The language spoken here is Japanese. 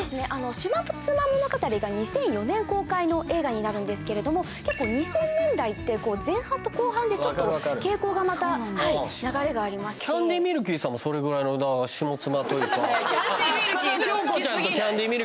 「下妻物語」が２００４年公開の映画になるんですけれども結構２０００年代って前半と後半でちょっと傾向がまた流れがありましてキャンディ・Ｈ・ミルキィさんもそれぐらいの「下妻」というかキャンディ・Ｈ・ミルキィさん好きすぎない？